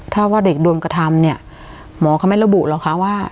ถ้าว่าเด็กโดนกระทำเนี่ยหมอเขาไม่ระบุหรอกคะว่า